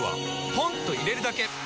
ポンと入れるだけ！